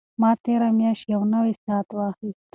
ما تېره میاشت یو نوی ساعت واخیست.